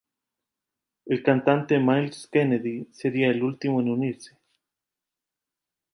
El cantante, Myles Kennedy, sería el último en unirse.